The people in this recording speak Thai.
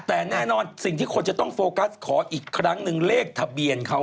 แต่แน่นอนสิ่งที่คนจะต้องโฟกัสขออีกครั้งหนึ่งเลขทะเบียนเขา